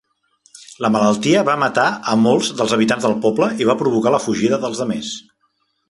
La malaltia va matar a molts dels habitants del poble i va provocar la fugida dels demés.